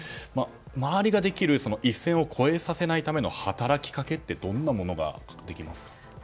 周りができる一線を越えさせないための働きかけとはどんなものができますか？